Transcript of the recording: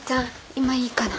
今いいかな。